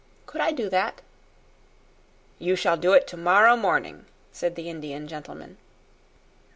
Could I do that?" "You shall do it tomorrow morning," said the Indian gentleman.